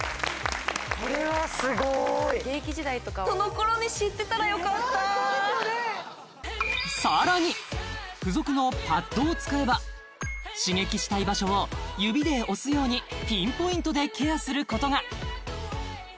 現役時代とかそのころに知ってたらよかったさらに付属のパッドを使えば刺激したい場所を指で押すようにピンポイントでケアすることがああ